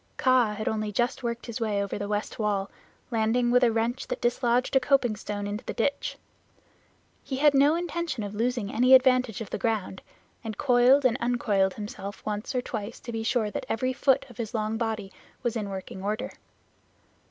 Kaa had only just worked his way over the west wall, landing with a wrench that dislodged a coping stone into the ditch. He had no intention of losing any advantage of the ground, and coiled and uncoiled himself once or twice, to be sure that every foot of his long body was in working order.